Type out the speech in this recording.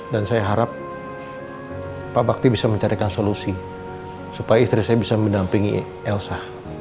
dan saya harap pak bakti bisa mencarikan solusi supaya istri saya bisa mendampingi elsa